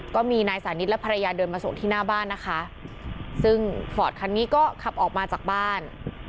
ก็มีนายสานิทและภรรยาเดินมาส่งที่หน้าบ้านนะคะซึ่งฟอร์ดคันนี้ก็ขับออกมาจากบ้าน